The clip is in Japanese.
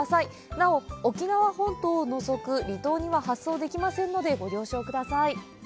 なお、沖縄本島を除く離島には発送できませんので、ご了承ください。